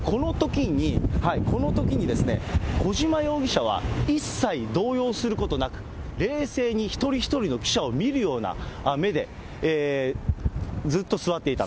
このときに、小島容疑者は一切動揺することなく、冷静に一人一人の記者を見るような目でずっと座っていた。